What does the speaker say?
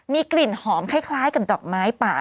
มีกลิ่นหอมคล้ายกับดอกไม้ป่า